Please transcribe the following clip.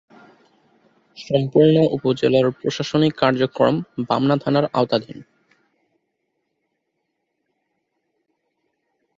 সম্পূর্ণ উপজেলার প্রশাসনিক কার্যক্রম বামনা থানার আওতাধীন।